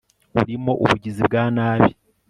urimo ubugizi bwa nabi